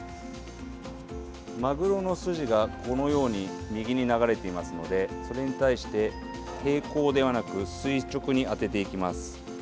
マグロの筋がこのように右に流れていますのでそれに対して平行ではなく垂直に当てていきます。